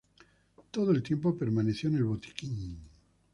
Todo el tiempo permaneció en el botiquín.